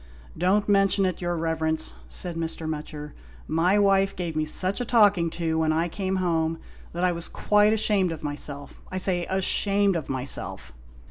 "Don't mention it, your Eeverence," said Mr. Mutcher, " my wife gave me such a talking to when I came 'ome that I was quite ashamed of myself — ^I say ashamed of myself."